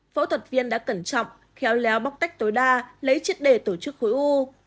phẫu thuật viên đã cẩn trọng khéo léo bóc tách tối đa lấy chiếc đề tổ chức khối ung